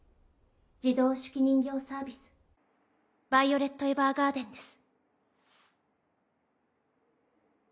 自動手記人形サービス・ヴァイオレット・エヴァーガーデンです。